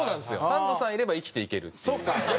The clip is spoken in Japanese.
サンドさんいれば生きていけるっていう。